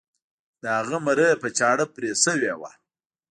د هغه مرۍ په چاړه پرې شوې وه.